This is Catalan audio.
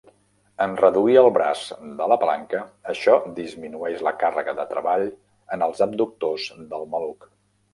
En reduir el braç de la palanca, això disminueix la càrrega de treball en els abductors del maluc.